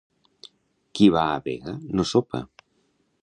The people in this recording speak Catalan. Qui va a vega, no sopa.